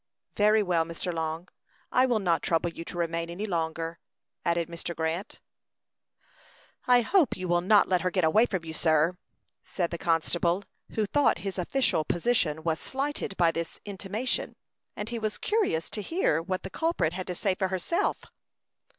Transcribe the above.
"Very well, Mr. Long; I will not trouble you to remain any longer," added Mr. Grant. "I hope you will not let her get away from you, sir," said the constable, who thought his official position was slighted by this intimation; and he was curious to hear what the culprit had to say for herself.